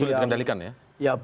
sulit dikendalikan ya